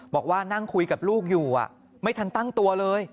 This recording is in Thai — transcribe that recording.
บอกว่านั่งคุยกับลูกอยู่ไม่ทันตั้งตัวเลย